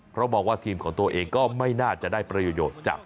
เพราะมองว่าทีมของตัวเองก็ไม่น่าจะได้ประโยชน์จาก